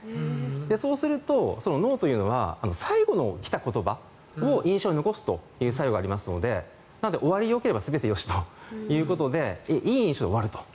そうすると、脳というのは最後に来た言葉を印象に残すという作用がありますのでなので、終わりよければ全てよしということでいい印象で終わると。